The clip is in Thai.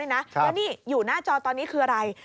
แล้วนี่อยู่หน้าจอตอนนี้คืออะไร